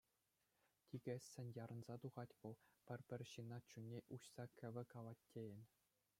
Тикӗссӗн, ярӑнса тухать вӑл, пӗр-пӗр ҫын чунне уҫса кӗвӗ калать тейӗн.